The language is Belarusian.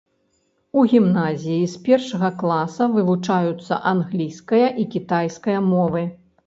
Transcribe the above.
У гімназіі з першага класа вывучаюцца англійская і кітайская мовы.